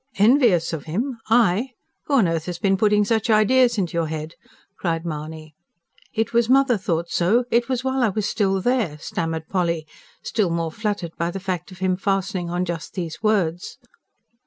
"Envious of him? I? Who on earth has been putting such ideas into your head?" cried Mahony. "It was 'mother' thought so it was while I was still there," stammered Polly, still more fluttered by the fact of him fastening on just these words.